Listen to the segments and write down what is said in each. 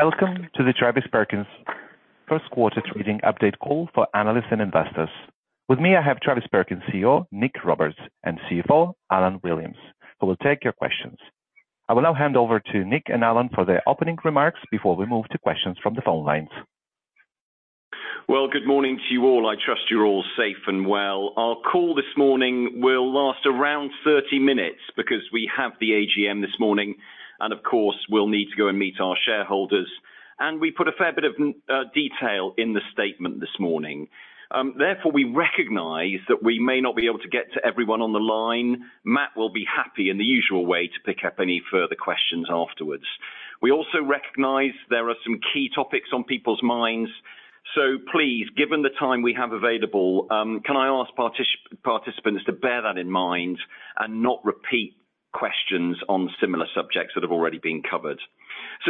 Welcome to the Travis Perkins Q1 trading update call for analysts and investors. With me, I have Travis Perkins CEO, Nick Roberts, and CFO, Alan Williams, who will take your questions. I will now hand over to Nick and Alan for their opening remarks before we move to questions from the phone lines. Well, good morning to you all. I trust you're all safe and well. Our call this morning will last around 30 minutes because we have the AGM this morning, and of course, we'll need to go and meet our shareholders. We put a fair bit of detail in the statement this morning. Therefore, we recognize that we may not be able to get to everyone on the line. Matt will be happy in the usual way to pick up any further questions afterwards. We also recognize there are some key topics on people's minds. Please, given the time we have available, can I ask participants to bear that in mind and not repeat questions on similar subjects that have already been covered.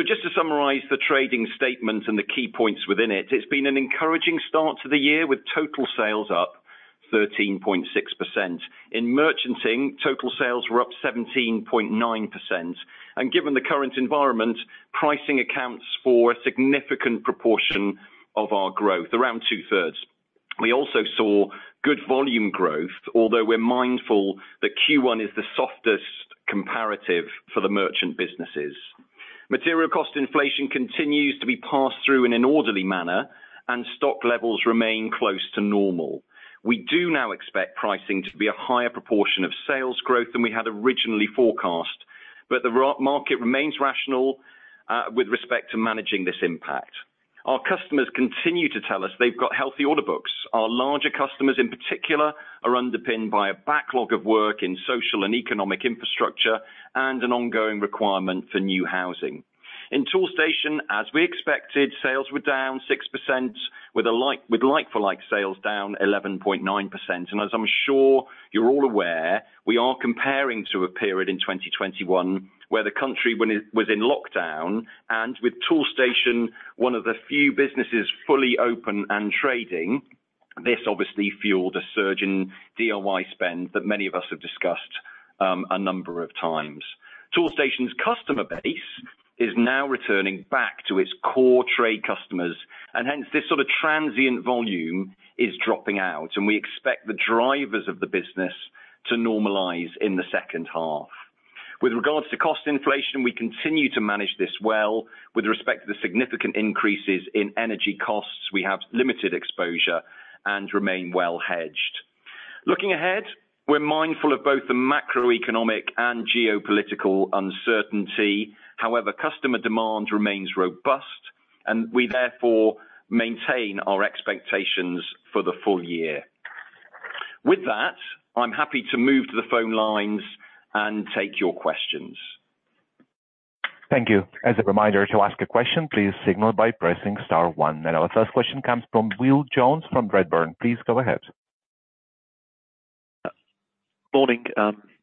Just to summarize the trading statement and the key points within it's been an encouraging start to the year with total sales up 13.6%. In merchanting, total sales were up 17.9%. Given the current environment, pricing accounts for a significant proportion of our growth, around 2/3. We also saw good volume growth, although we're mindful that Q1 is the softest comparative for the merchant businesses. Material cost inflation continues to be passed through in an orderly manner, and stock levels remain close to normal. We do now expect pricing to be a higher proportion of sales growth than we had originally forecast, but the market remains rational with respect to managing this impact. Our customers continue to tell us they've got healthy order books. Our larger customers, in particular, are underpinned by a backlog of work in social and economic infrastructure and an ongoing requirement for new housing. In Toolstation, as we expected, sales were down 6% with like for like sales down 11.9%. As I'm sure you're all aware, we are comparing to a period in 2021 where the country was in lockdown and with Toolstation, one of the few businesses fully open and trading. This obviously fueled a surge in DIY spend that many of us have discussed a number of times. Toolstation's customer base is now returning back to its core trade customers, and hence this sort of transient volume is dropping out, and we expect the drivers of the business to normalize in the H2. With regards to cost inflation, we continue to manage this well. With respect to the significant increases in energy costs, we have limited exposure and remain well hedged. Looking ahead, we're mindful of both the macroeconomic and geopolitical uncertainty. However, customer demand remains robust, and we therefore maintain our expectations for the full year. With that, I'm happy to move to the phone lines and take your questions. Thank you. As a reminder, to ask a question, please signal by pressing star one. Our first question comes from Will Jones from Redburn. Please go ahead. Morning.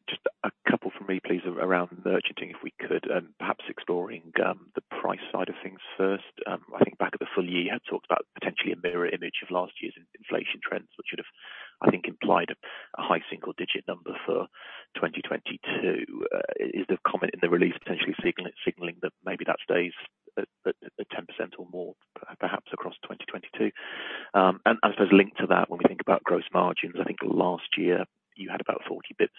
Just a couple for me, please, around merchanting, if we could, perhaps exploring the price side of things first. I think back at the full year, you had talked about potentially a mirror image of last year's inflation trends, which would have, I think, implied a high single-digit number for 2022. Is the comment in the release potentially signaling that maybe that stays at 10% or more, perhaps across 2022? I suppose linked to that, when we think about gross margins, I think last year you had about 40 basis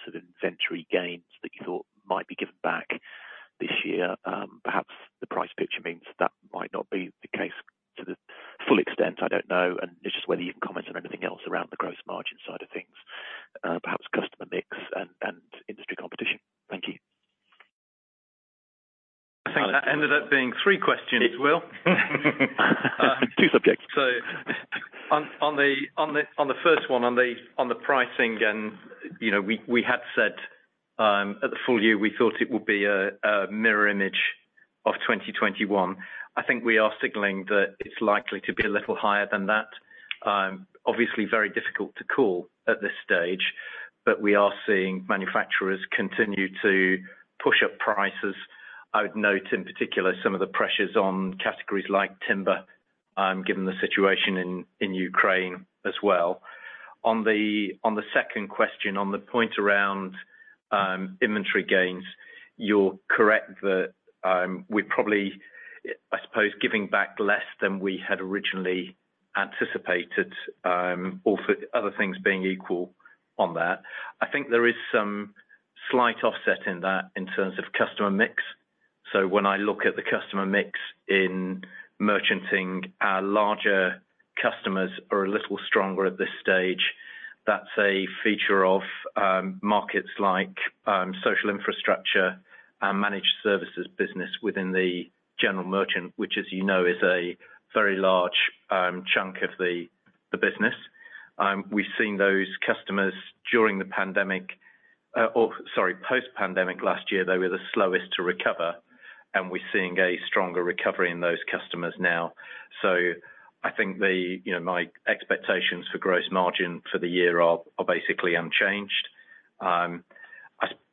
points of inventory gains that you thought might be given back this year. Perhaps the price picture means that might not be the case to the full extent. I don't know. It's just whether you can comment on anything else around the gross margin side of things, perhaps customer mix and industry competition. Thank you. I think that ended up being 3 questions, Will. Two subjects. On the first one, on the pricing and, you know, we had said at the full year, we thought it would be a mirror image of 2021. I think we are signaling that it's likely to be a little higher than that. Obviously very difficult to call at this stage, but we are seeing manufacturers continue to push up prices. I would note in particular some of the pressures on categories like timber, given the situation in Ukraine as well. On the second question, on the point around inventory gains, you're correct that we're probably, I suppose, giving back less than we had originally anticipated, all other things being equal on that. I think there is some slight offset in that in terms of customer mix. When I look at the customer mix in merchanting, our larger customers are a little stronger at this stage. That's a feature of markets like social infrastructure and managed services business within the general merchant, which, as you know, is a very large chunk of the business. We've seen those customers post-pandemic last year, they were the slowest to recover, and we're seeing a stronger recovery in those customers now. I think you know, my expectations for gross margin for the year are basically unchanged.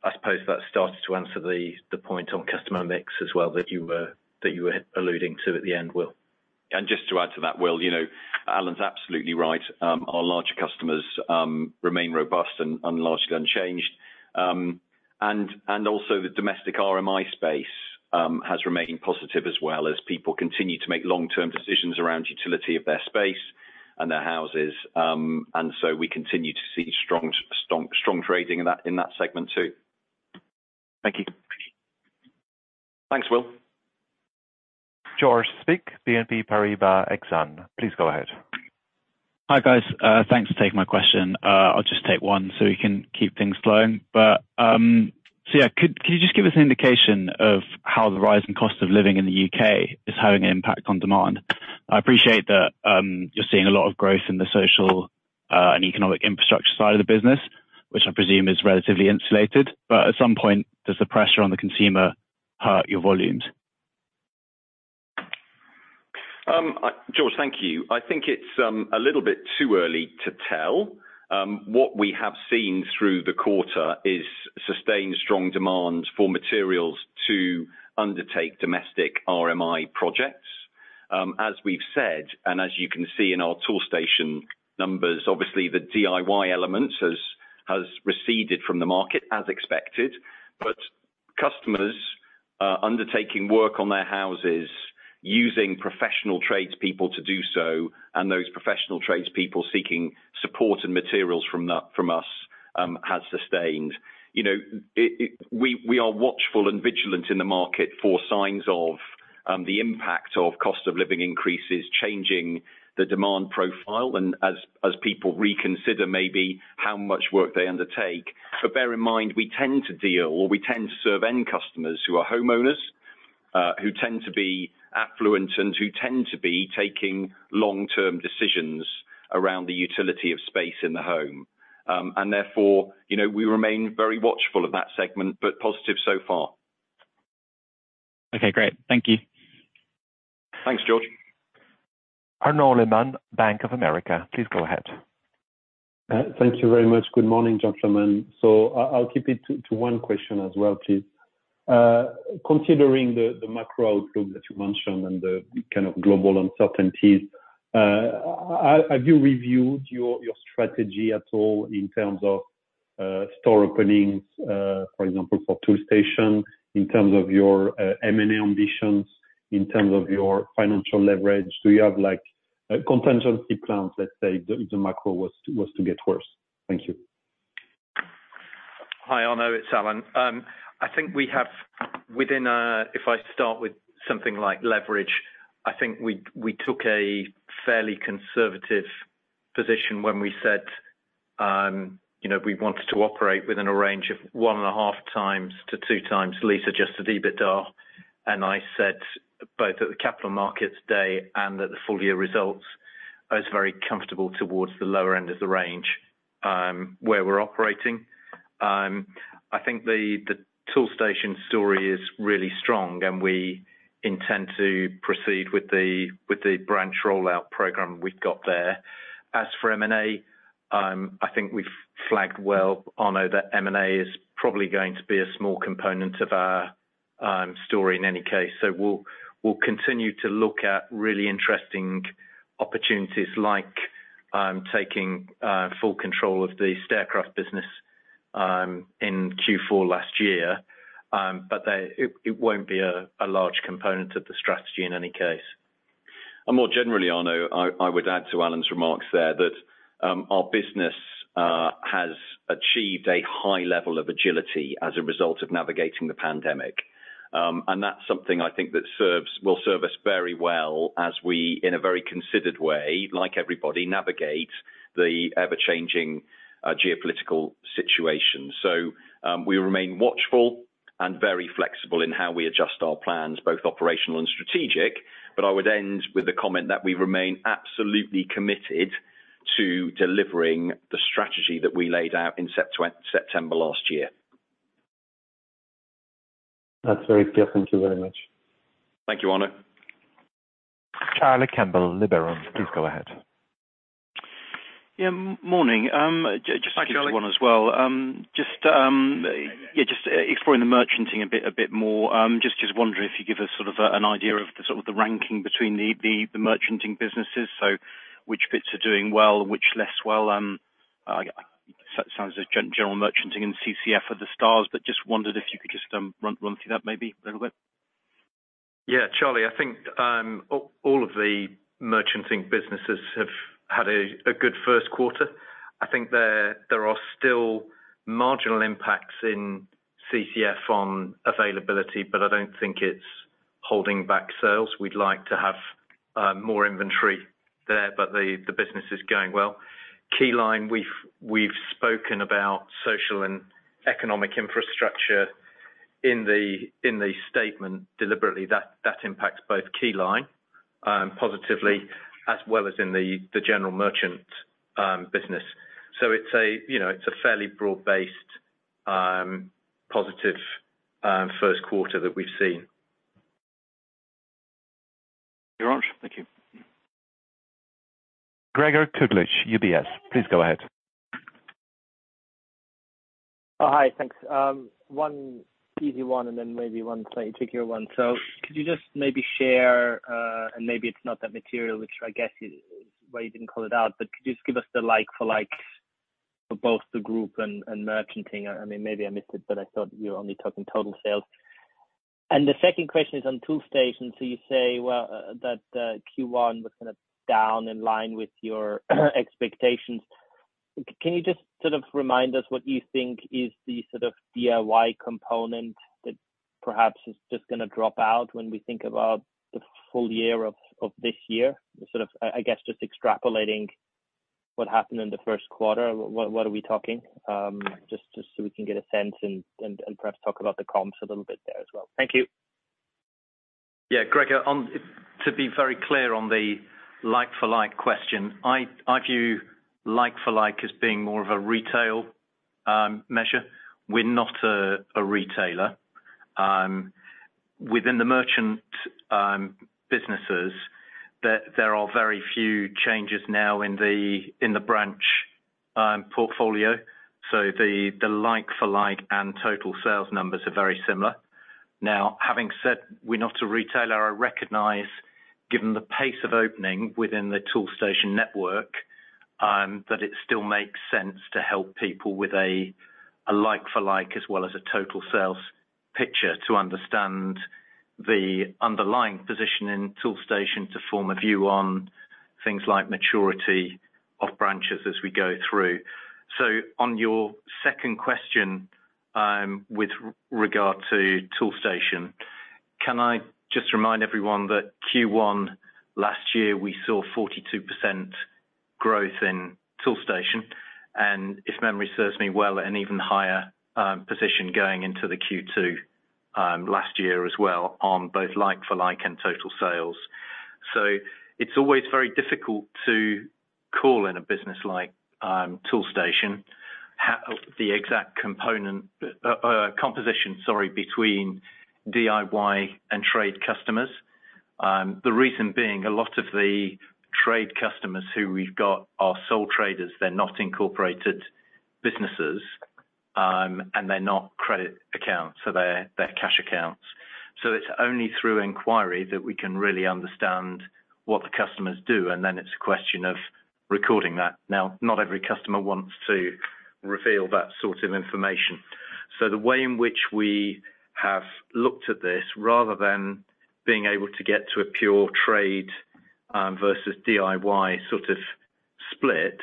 I suppose that starts to answer the point on customer mix as well that you were alluding to at the end, Will. Just to add to that, Will, you know, Alan's absolutely right. Our larger customers remain robust and largely unchanged. Also the domestic RMI space has remained positive as well as people continue to make long-term decisions around utility of their space and their houses. We continue to see strong trading in that segment too. Thank you. Thanks, Will. George Gregory, BNP Paribas Exane, please go ahead. Hi, guys. Thanks for taking my question. I'll just take one so we can keep things flowing. So yeah, could you just give us an indication of how the rise in cost of living in the UK is having an impact on demand? I appreciate that, you're seeing a lot of growth in the social, and economic infrastructure side of the business, which I presume is relatively insulated. At some point, does the pressure on the consumer hurt your volumes? George, thank you. I think it's a little bit too early to tell. What we have seen through the quarter is sustained strong demand for materials to undertake domestic RMI projects. As we've said, and as you can see in our Toolstation numbers, obviously the DIY elements has receded from the market as expected. Customers undertaking work on their houses using professional tradespeople to do so, and those professional tradespeople seeking support and materials from us, has sustained. You know, we are watchful and vigilant in the market for signs of the impact of cost of living increases, changing the demand profile and as people reconsider maybe how much work they undertake. Bear in mind, we tend to deal, or we tend to serve end customers who are homeowners, who tend to be affluent and who tend to be taking long-term decisions around the utility of space in the home. Therefore, you know, we remain very watchful of that segment, but positive so far. Okay, great. Thank you. Thanks, George. Arnaud Lehmann, Bank of America, please go ahead. Thank you very much. Good morning, gentlemen. I'll keep it to one question as well, please. Considering the macro outlook that you mentioned and the kind of global uncertainties, have you reviewed your strategy at all in terms of store openings, for example, for Toolstation, in terms of your M&A ambitions, in terms of your financial leverage? Do you have, like, contingency plans, let's say if the macro was to get worse? Thank you. Hi, Arnaud, it's Alan. I think we have within, if I start with something like leverage, I think we took a fairly conservative position when we said, you know, we wanted to operate within a range of 1.5 times to 2 times lease-adjusted EBITDA. I said both at the Capital Markets Day and at the full year results, I was very comfortable towards the lower end of the range, where we're operating. I think the Toolstation story is really strong, and we intend to proceed with the branch rollout program we've got there. As for M&A, I think we've flagged well, Arnaud, that M&A is probably going to be a small component of our story in any case. We'll continue to look at really interesting opportunities like taking full control of the Staircraft business in Q4 last year. But it won't be a large component of the strategy in any case. More generally, Arnaud, I would add to Alan's remarks there that our business has achieved a high level of agility as a result of navigating the pandemic. And that's something I think that will serve us very well as we, in a very considered way, like everybody, navigate the ever-changing geopolitical situation. We remain watchful and very flexible in how we adjust our plans, both operational and strategic. I would end with the comment that we remain absolutely committed to delivering the strategy that we laid out in September last year. That's very clear. Thank you very much. Thank you, Arnaud. Charlie Campbell, Liberum, please go ahead. Yeah. Morning. Hi, Charlie. To kick off as well. Just exploring the merchanting a bit more. Just wondering if you could give us sort of an idea of the ranking between the merchanting businesses. Which bits are doing well and which less well? Sounds like General Merchanting and CCF are the stars, but just wondered if you could just run through that maybe a little bit. Yeah, Charlie, I think all of the merchanting businesses have had a good Q1. I think there are still marginal impacts in CCF on availability, but I don't think it's holding back sales. We'd like to have more inventory there, but the business is going well. Keyline, we've spoken about social and economic infrastructure in the statement deliberately that impacts both Keyline positively as well as in the general merchant business. It's a you know it's a fairly broad-based positive Q1 that we've seen. Your answer. Thank you. Gregor Kuglitsch, UBS, please go ahead. Hi, thanks. One easy one and then maybe one slightly trickier one. Could you just maybe share, and maybe it's not that material, which I guess is why you didn't call it out, but could you just give us the like for like for both the group and merchanting? I mean, maybe I missed it, but I thought you were only talking total sales. The second question is on Toolstation. You say, well, that Q1 was kind of down in line with your expectations. Can you just sort of remind us what you think is the sort of DIY component that perhaps is just gonna drop out when we think about the full year of this year? Sort of, I guess, just extrapolating what happened in the Q1, what are we talking? Just so we can get a sense and perhaps talk about the comps a little bit there as well. Thank you. Yeah, Gregor, to be very clear on the like for like question, I view like for like as being more of a retail measure. We're not a retailer. Within the merchant businesses there are very few changes now in the branch portfolio, so the like for like and total sales numbers are very similar. Now, having said we're not a retailer, I recognize given the pace of opening within the Toolstation network that it still makes sense to help people with a like for like as well as a total sales picture to understand the underlying position in Toolstation to form a view on things like maturity of branches as we go through. On your second question, with regard to Toolstation, can I just remind everyone that Q1 last year we saw 42% growth in Toolstation, and if memory serves me well at an even higher position going into the Q2 last year as well on both like for like and total sales. It's always very difficult to call in a business like Toolstation how the exact component composition, sorry, between DIY and trade customers. The reason being a lot of the trade customers who we've got are sole traders. They're not incorporated businesses, and they're not credit accounts, so they're cash accounts. It's only through inquiry that we can really understand what the customers do, and then it's a question of recording that. Now, not every customer wants to reveal that sort of information. The way in which we have looked at this, rather than being able to get to a pure trade versus DIY sort of split,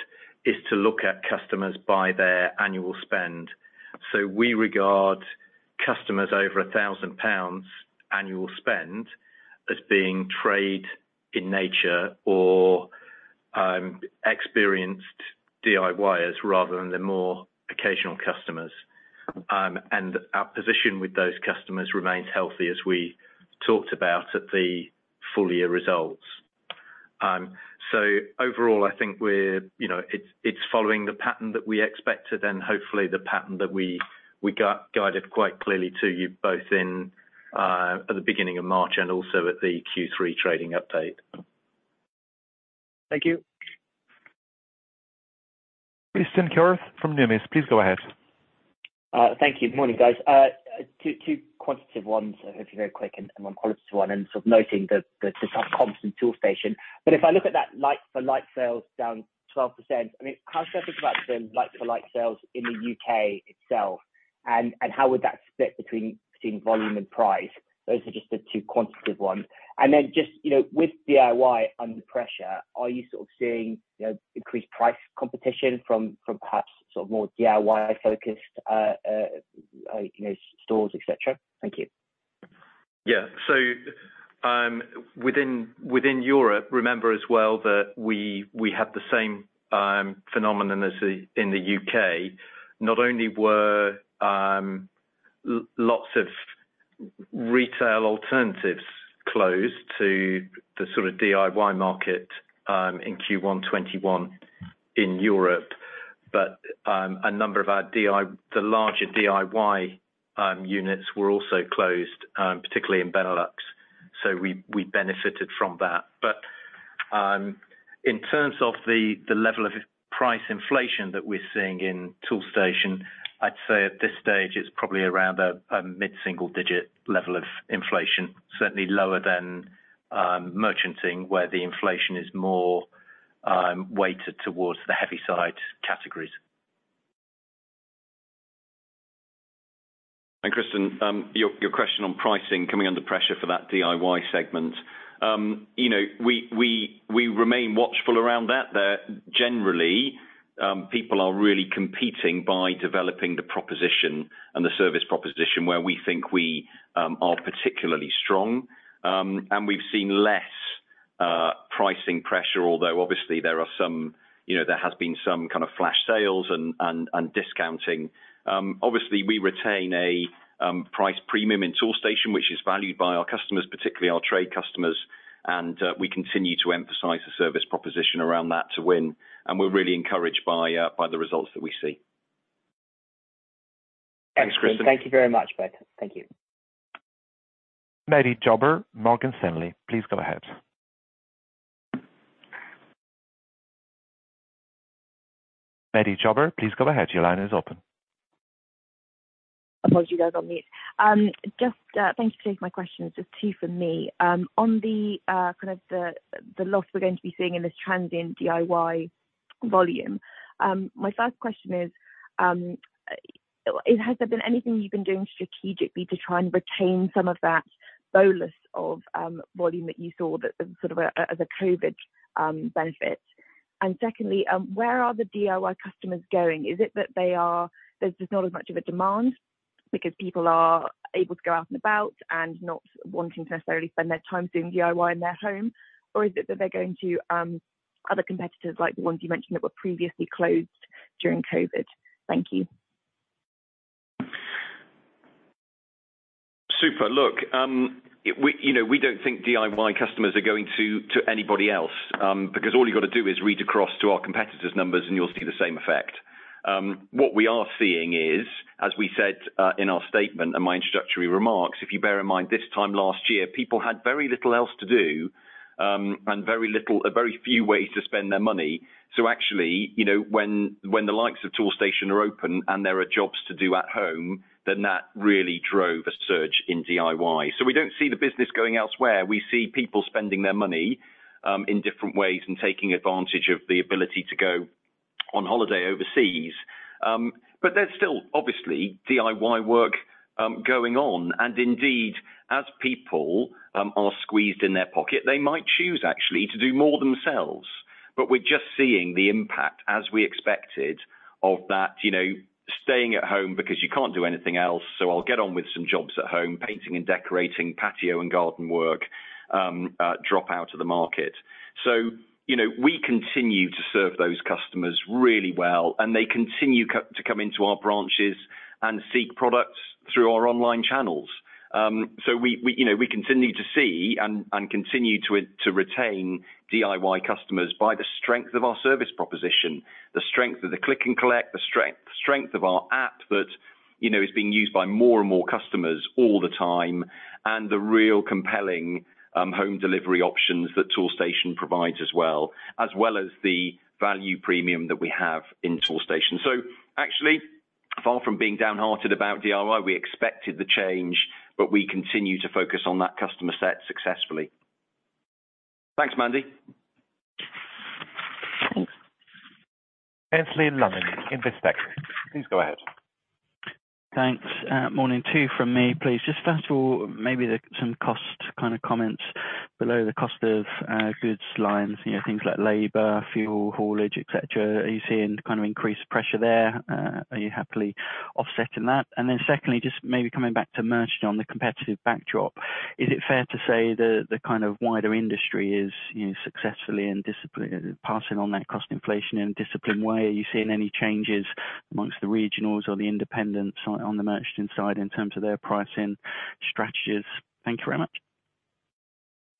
is to look at customers by their annual spend. We regard customers over 1,000 pounds annual spend as being trade in nature or experienced DIYers rather than the more occasional customers. Our position with those customers remains healthy as we talked about at the full-year results. Overall I think we're, you know, it's following the pattern that we expected and hopefully the pattern that we guided quite clearly to you both in at the beginning of March and also at the Q3 trading update. Thank you. Christian Keurth from Numis, please go ahead. Thank you. Morning, guys. 2 quantitative ones, if you're very quick and one qualitative one, sort of noting the comps in Toolstation. If I look at that like for like sales down 12%, I mean, how should I think about the like for like sales in the UK itself and how would that split between volume and price? Those are just the 2 quantitative ones. Just, you know, with DIY under pressure, are you sort of seeing, you know, increased price competition from perhaps sort of more DIY focused, you know, stores, et cetera? Thank you. Yeah. Within Europe, remember as well that we had the same phenomenon as in the UK. Not only were lots of retail alternatives closed to the sort of DIY market in Q1 2021 in Europe, but a number of the larger DIY units were also closed, particularly in Benelux, so we benefited from that. In terms of the level of price inflation that we're seeing in Toolstation, I'd say at this stage it's probably around a mid-single digit level of inflation, certainly lower than merchanting, where the inflation is more weighted towards the heavy side categories. Christian, your question on pricing coming under pressure for that DIY segment. You know, we remain watchful around that generally. People are really competing by developing the proposition and the service proposition where we think we are particularly strong. We've seen less pricing pressure, although obviously there are some, you know. There has been some kind of flash sales and discounting. Obviously we retain a price premium in Toolstation, which is valued by our customers, particularly our trade customers, and we continue to emphasize the service proposition around that to win, and we're really encouraged by the results that we see. Excellent. Thanks, Christian. Thank you very much both. Thank you. Mary Jobber, Morgan Stanley, please go ahead. Mandy Chober, please go ahead. Your line is open. Apologies, guys, on mute. Just thank you for taking my questions. There's 2 from me. On the kind of the loss we're going to be seeing in this transient DIY volume, my first question is, has there been anything you've been doing strategically to try and retain some of that bonus of volume that you saw that sort of as a COVID benefit? And secondly, where are the DIY customers going? Is it that they are. There's just not as much of a demand because people are able to go out and about and not wanting to necessarily spend their time doing DIY in their home, or is it that they're going to other competitors, like the ones you mentioned that were previously closed during COVID? Thank you. Super. Look, we, you know, we don't think DIY customers are going to anybody else, because all you got to do is read across to our competitors' numbers, and you'll see the same effect. What we are seeing is, as we said, in our statement and my introductory remarks, if you bear in mind, this time last year, people had very little else to do, and very few ways to spend their money. Actually, you know, when the likes of Toolstation are open and there are jobs to do at home, then that really drove a search in DIY. We don't see the business going elsewhere. We see people spending their money in different ways and taking advantage of the ability to go on holiday overseas. There's still obviously DIY work going on, and indeed, as people are squeezed in their pocket, they might choose actually to do more themselves. We're just seeing the impact as we expected of that, you know, staying at home because you can't do anything else, so I'll get on with some jobs at home, painting and decorating, patio and garden work, drop out of the market. You know, we continue to serve those customers really well, and they continue to come into our branches and seek products through our online channels. We continue to see and continue to retain DIY customers by the strength of our service proposition, the strength of the click and collect, the strength of our app that, you know, is being used by more and more customers all the time, and the real compelling home delivery options that Toolstation provides as well as the value premium that we have in Toolstation. Actually, far from being downhearted about DIY, we expected the change, but we continue to focus on that customer set successfully. Thanks, Mandy. Thanks. Aynsley Lammin, Investec. Please go ahead. Thanks. Morning. 2 from me, please. Just first of all, maybe some cost kind of comments below the cost of goods lines, you know, things like labor, fuel, haulage, et cetera. Are you seeing kind of increased pressure there? Are you happily offsetting that? Then secondly, just maybe coming back to merchant on the competitive backdrop. Is it fair to say the kind of wider industry is, you know, successfully passing on that cost inflation in a disciplined way? Are you seeing any changes amongst the regionals or the independents on the merchant side in terms of their pricing strategies? Thank you very much.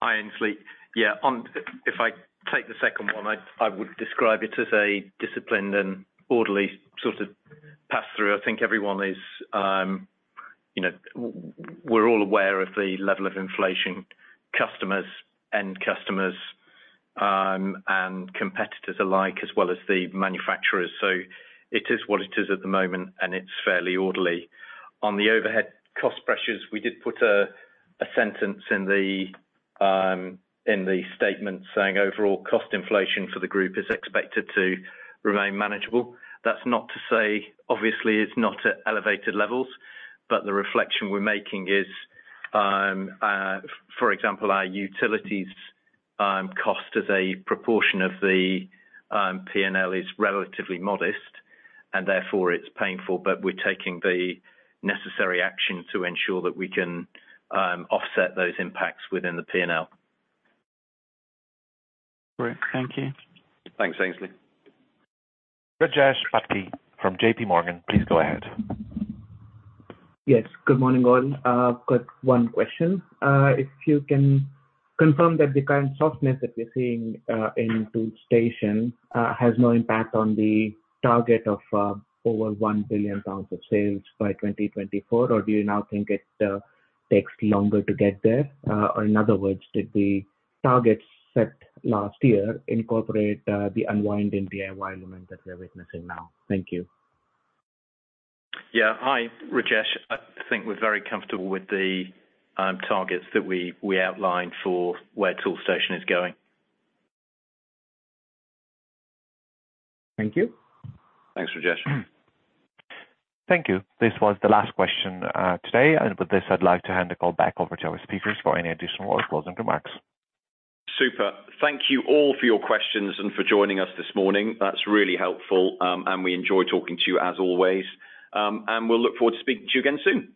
Hi, Aynsley. Yeah. On. If I take the 2nd one, I would describe it as a disciplined and orderly sort of pass-through. I think everyone is, you know, we're all aware of the level of inflation, customers and competitors alike, as well as the manufacturers. It is what it is at the moment, and it's fairly orderly. On the overhead cost pressures, we did put a sentence in the statement saying overall cost inflation for the group is expected to remain manageable. That's not to say, obviously, it's not at elevated levels, but the reflection we're making is, for example, our utilities cost as a proportion of the P&L is relatively modest, and therefore it's painful, but we're taking the necessary action to ensure that we can offset those impacts within the P&L. Great. Thank you. Thanks, Aynsley. Rajesh Patki from JP Morgan, please go ahead. Yes. Good morning, all. I've got 1 question. If you can confirm that the current softness that we're seeing in Toolstation has no impact on the target of over 1 billion pounds of sales by 2024, or do you now think it takes longer to get there? In other words, did the targets set last year incorporate the unwind in DIY momentum that we're witnessing now? Thank you. Yeah. Hi, Rajesh. I think we're very comfortable with the targets that we outlined for where Toolstation is going. Thank you. Thanks, Rajesh. Thank you. This was the last question, today. With this, I'd like to hand the call back over to our speakers for any additional closing remarks. Super. Thank you all for your questions and for joining us this morning. That's really helpful, and we enjoy talking to you as always. We'll look forward to speaking to you again soon.